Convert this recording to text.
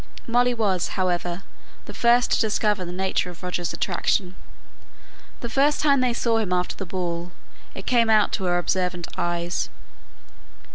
Molly was, however, the first to discover the nature of Roger's attention. The first time they saw him after the ball, it came out to her observant eyes.